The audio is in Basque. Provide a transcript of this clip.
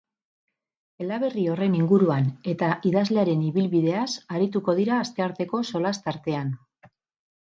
Eleberri horren inguruan eta idazlearen ibilbideaz arituko dira astearteko solas tartean.